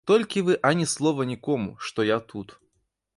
Толькі вы ані слова нікому, што я тут.